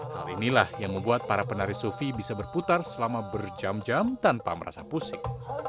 hal inilah yang membuat para penari sufi bisa berputar selama berjam jam tanpa merasa pusing